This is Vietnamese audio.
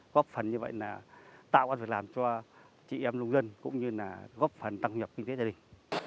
góp phần như vậy là tạo ra việc làm cho chị em nông dân cũng như là góp phần tăng nhập kinh tế gia đình